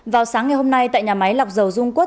vào sáng ngày hôm nay tại nhà máy lọc dầu dung quốc